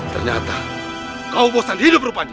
ternyata kau bosan hidup rupanya